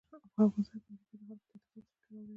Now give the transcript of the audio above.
په افغانستان کې پکتیکا د خلکو د اعتقاداتو سره تړاو لري.